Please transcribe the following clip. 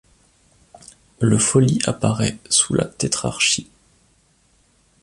Le follis apparaît sous la Tétrarchie.